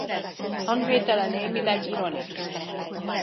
Hangvétele némileg ironikus.